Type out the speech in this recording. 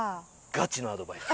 ガチのアドバイス。